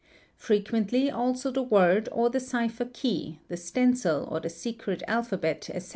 frequently also the word or the cipher key, the stencil or the secret alphabet, etc.